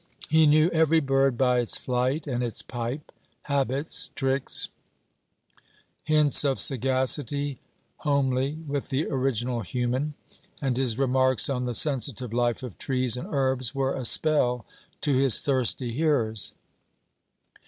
He knew every bird by its flight and its pipe, habits, tricks, hints of sagacity homely with the original human; and his remarks on the sensitive life of trees and herbs were a spell to his thirsty hearers.